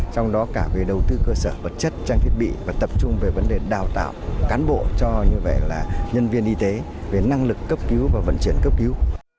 trong đó cả về đầu tư cơ sở vật chất trang thiết bị và tập trung về vấn đề đào tạo cán bộ cho như vậy là nhân viên y tế về năng lực cấp cứu và vận chuyển cấp cứu